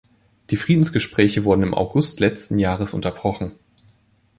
Die Friedensgespräche wurden im August letzten Jahres unterbrochen.